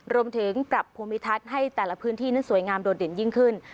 รวมถึงปรับภูมิทัศน์ให้แต่ละพื้นที่นั้นสวยงามโดดเด่นยิ่งขึ้น